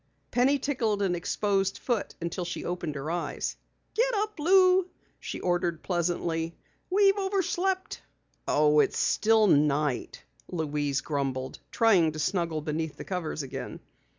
Penny tickled an exposed foot until she opened her eyes. "Get up, Lou!" she ordered pleasantly. "We've overslept." "Oh, it's still night," Louise grumbled, trying to snuggle beneath the covers again.